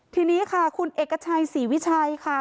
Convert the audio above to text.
ทีนี้ค่ะคุณเอกชัยศรีวิชัยค่ะ